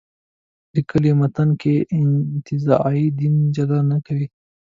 لیکلي متن کې انتزاعي دین جلا نه کوي.